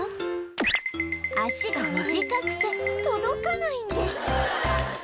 脚が短くて届かないんです！